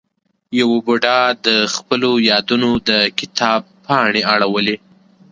یوه بوډا د خپلو یادونو د کتاب پاڼې اړولې.